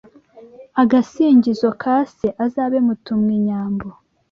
Agasingizo ka Se Azabe Mutumwinyambo